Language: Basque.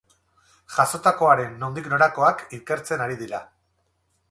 Jazotakoaren nondik norakoak ikertzen ari dira.